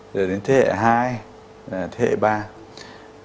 rồi đến thế hệ hai thế hệ ba